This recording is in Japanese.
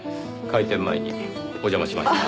開店前にお邪魔しました。